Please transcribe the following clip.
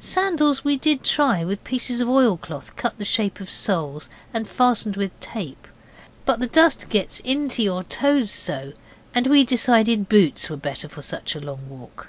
Sandals we did try, with pieces of oil cloth cut the shape of soles and fastened with tape, but the dust gets into your toes so, and we decided boots were better for such a long walk.